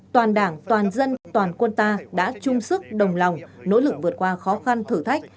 toàn đảng toàn dân toàn quân ta đã chung sức đồng lòng nỗ lực vượt qua khó khăn thử thách